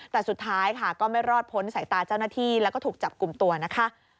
แต่สุดท้ายค่ะก็ไม่รอดพ้นสายตาเจ้าหน้าที่แล้วก็ถูกจับกลุ่มตัวนะคะ